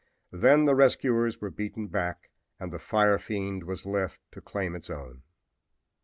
Then the rescuers were beaten back and the fire fiend was left to claim its own.